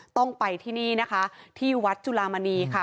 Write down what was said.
ต้องไปที่นี่นะคะที่วัดจุลามณีค่ะ